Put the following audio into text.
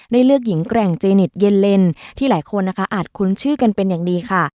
เลือกหญิงแกร่งเจนิตเย็นเลนที่หลายคนนะคะอาจคุ้นชื่อกันเป็นอย่างดีค่ะ